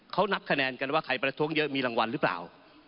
เขานับคะแนนกันว่าใครประท้วงเยอะมีรางวัลหรือเปล่า